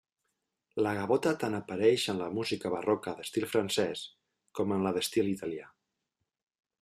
La gavota tant apareix en la música barroca d'estil francès com en la d'estil italià.